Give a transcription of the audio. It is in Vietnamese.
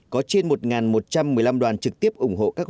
có trên một một trăm một mươi năm đoàn trực tiếp ủng hộ các công tác